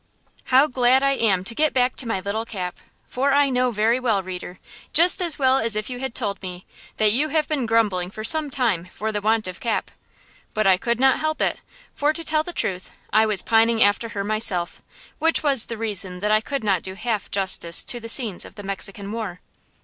HOW glad I am to get back to my little Cap, for I know very well, reader, just as well as if you had told me, that you have been grumbling for some time for the want of Cap. But I could not help it, for, to tell the truth, I was pining after her myself, which was the reason that I could not do half justice to the scenes of the Mexican War.